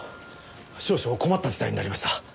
少々困った事態になりました。